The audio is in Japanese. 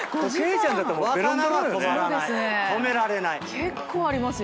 結構ありますよ。